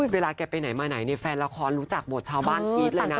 เวลาแกไปไหนมาไหนเนี่ยแฟนละครรู้จักบทชาวบ้านกรี๊ดเลยนะ